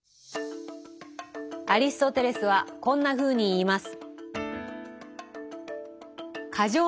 アリストテレスはこんなふうに言います。